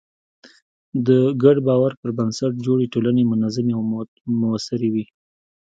د ګډ باور پر بنسټ جوړې ټولنې منظمې او موثرې وي.